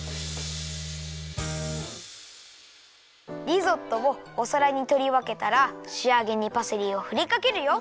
リゾットをおさらにとりわけたらしあげにパセリをふりかけるよ。